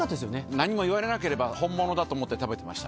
何も言われなければ、本物だと思って食べてました。